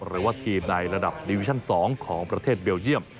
หรือว่าทีมในระดับดิวิชั่น๒ของประเทศเบลเยี่ยม